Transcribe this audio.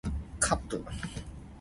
敆